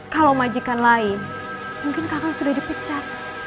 kalau majikan lain mungkin kakak sudah dipecat